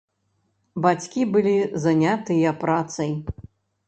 Бацькі былі занятыя працай.